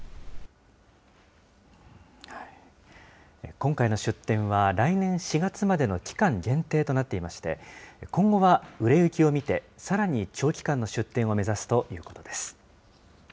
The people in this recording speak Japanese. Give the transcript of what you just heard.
今回の出店は、来年４月までの期間限定となっていまして、今後は売れ行きを見て、さらに長期間の出店を目指すということです。